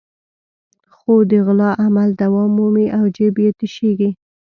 خو د غلا عمل دوام مومي او جېب یې تشېږي.